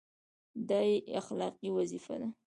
دا یې اخلاقي وظیفه ده.